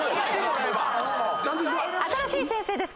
はい新しい先生です。